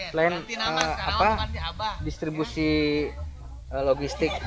selain apa distribusi logistik